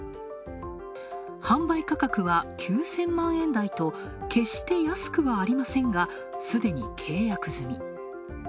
販売価格は９０００万円台と決して安くはありませんがすでに契約済み。